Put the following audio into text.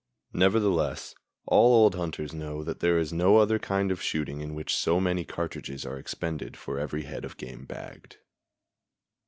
Nevertheless, all old hunters know that there is no other kind of shooting in which so many cartridges are expended for every head of game bagged.